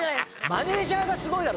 マネジャーがすごいだろ！